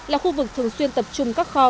là khu vực thường xuyên tập trung các khu vực